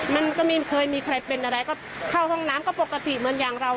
มันก็ไม่เคยมีใครเป็นอะไรก็เข้าห้องน้ำก็ปกติเหมือนอย่างเรา